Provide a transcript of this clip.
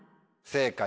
正解！